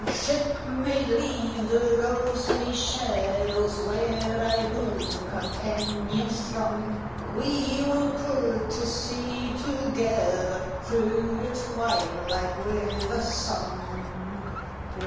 Shipmate, leave the ghostly shadows, Where thy boon companions throng! We will put to sea together Through the twilight with a song.